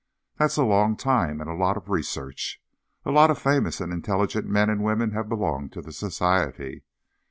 That's a long time and a lot of research. A lot of famous and intelligent men and women have belonged to the Society.